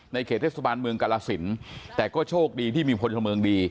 เขตเทศบาลเมืองกาลสินแต่ก็โชคดีที่มีพลเมืองดี